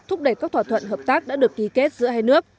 thúc đẩy các thỏa thuận hợp tác đã được ký kết giữa hai nước